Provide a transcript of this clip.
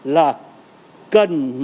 là cần phải trưng bày